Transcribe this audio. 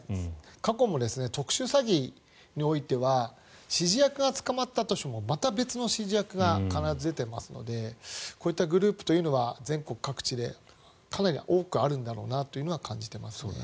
過去も特殊詐欺においては指示役が捕まったとしてもまた別の指示役が必ず出ていますのでこういったグループというのは全国各地でかなり多くあるんだろうなというのは感じていますね。